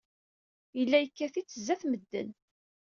Yella yekkat-itt sdat medden.